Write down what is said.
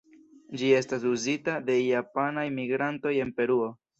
Ĝi estas uzita de japanaj migrantoj en Peruo.